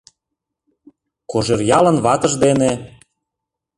Кожеръялын ватыж дене